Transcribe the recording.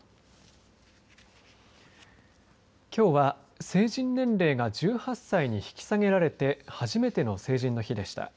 きょうは成人年齢が１８歳に引き下げられて初めての成人の日でした。